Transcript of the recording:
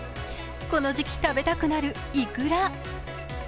この時期、食べたくなるいくら。